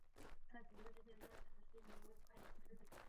在从政之前他曾是一位会计师。